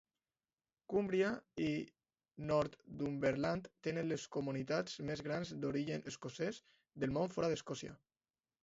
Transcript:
Cúmbria i Northumberland tenen les comunitats més grans d'origen escocès del món fora d'Escòcia.